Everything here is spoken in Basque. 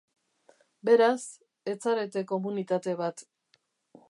Beraz, ez zarete komunitate bat.